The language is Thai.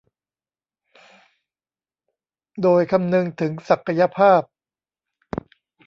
โดยคำนึงถึงศักยภาพ